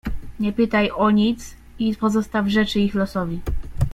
"Nie pytaj o nic i pozostaw rzeczy ich losowi."